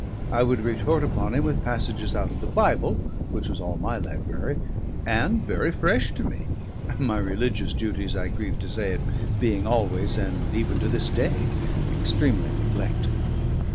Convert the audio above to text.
I would retort upon him with passages out of the Bible, which was all my library and very fresh to me, my religious duties (I grieve to say it) being always and even to this day extremely neglected.